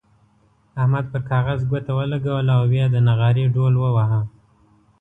احمد پر کاغذ ګوته ولګوله او بيا يې د نغارې ډوهل وواهه.